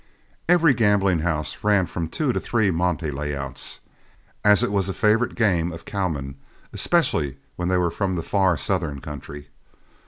Every gambling house ran from two to three monte layouts, as it was a favorite game of cowmen, especially when they were from the far southern country.